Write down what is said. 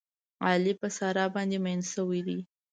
علي په ساره باندې مین شوی دی.